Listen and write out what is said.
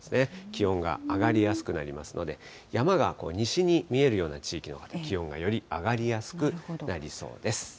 気温が上がりやすくなりますので、山が西に見えるような地域の気温がより上がりやすくなりそうです。